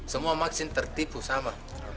semua maksimum tertipu sama